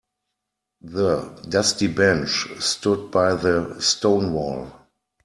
The dusty bench stood by the stone wall.